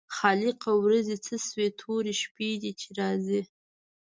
خالقه ورځې څه شوې تورې شپې دي چې راځي.